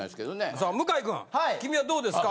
さあ向井くん君はどうですか？